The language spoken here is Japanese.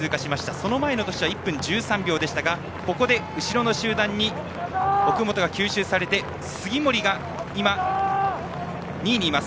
その前の年は１分１３秒でしたが後ろの集団に奥本が吸収されて杉森が２位にいます。